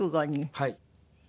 はい。